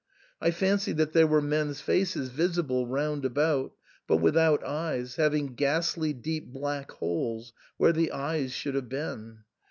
I fancied that there were men's faces visible round about, but with out eyes, having ghastly deep black holes where the eyes should have been.